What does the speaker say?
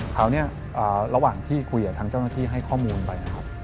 คราวนี้ระหว่างที่คุยกับทางเจ้าหน้าที่ให้ข้อมูลไปนะครับ